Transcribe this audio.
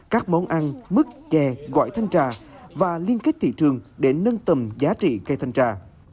các món ăn mứt chè gỏi thanh trà và liên kết thị trường để nâng tầm giá trị cây thanh trà